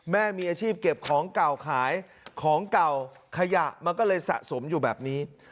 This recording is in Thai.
แม่มีอาชีพเก็บของเก่าขายของเก่าขยะมันก็เลยสะสมอยู่แบบนี้